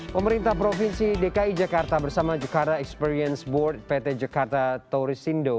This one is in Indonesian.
pemerintah provinsi dki jakarta bersama jakarta experience board pt jakarta taurisindo